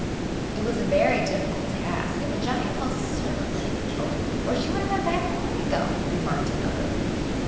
'It was a very difficult task, and the giant must certainly have killed her or she would have been back long ago,' remarked another.